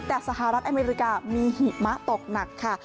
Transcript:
แต่สหรัฐอเมริกามีหิมะตกหนักค่ะ